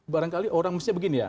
barangkali orang mestinya begini ya